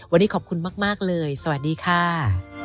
วันนี้ขอบคุณมากเลยสวัสดีค่ะ